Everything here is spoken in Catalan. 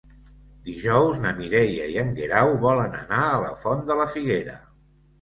Dijous na Mireia i en Guerau volen anar a la Font de la Figuera.